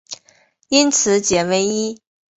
因此解唯一。